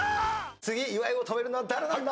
次岩井を止めるのは誰なんだ？